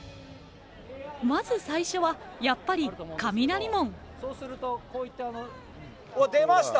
まず最初はやっぱり、雷門。